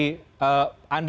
ya ada pernyataan dari